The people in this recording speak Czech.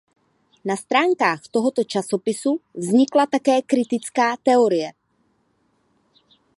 Na stránkách tohoto časopisu vznikla také kritická teorie.